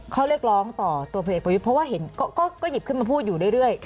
ข้อเรียกร้องต่อตัวพลเอกประยุทธ์เพราะว่าเห็นก็หยิบขึ้นมาพูดอยู่เรื่อย